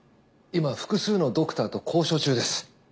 今複数のドクターと交渉中です。